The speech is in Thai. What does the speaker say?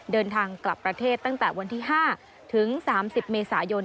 เดินทางกลับประเทศตั้งแต่วันที่๕ถึง๓๐เมษายน